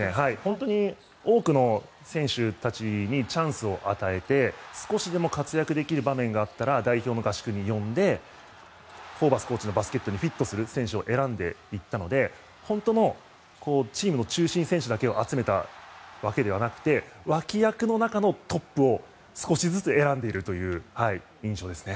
本当に多くの選手たちにチャンスを与えて少しでも活躍できる場面があったら代表の合宿に呼んでホーバスコーチのバスケットにフィットする選手を選んでいったので本当にチームの中心選手だけを集めたわけではなくて脇役の中のトップを少しずつ選んでいるという印象ですね。